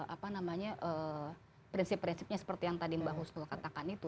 apa namanya prinsip prinsipnya seperti yang tadi mbak huskul katakan itu